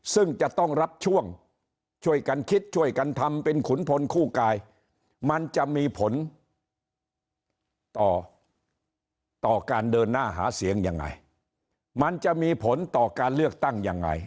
ซึ่งจะต้องรับช่วงช่วยกันคิดช่วยกันทำเป็นขุนพลคู่กายมันจะมีผลต่อต่อการเดินหน้าหาเสียงยังไงมันจะมีผลต่อการเลือกตั้งยังไง